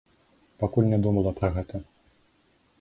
Пакуль не думала пра гэта.